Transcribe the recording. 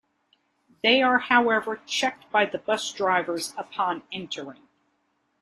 They are however checked by the bus drivers upon entering.